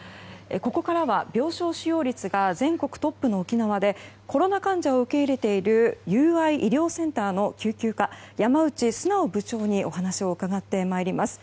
ここからは病床使用率が全国トップの沖縄でコロナ患者を受け入れている友愛医療センターの救急科山内素直部長にお話を伺ってまいります。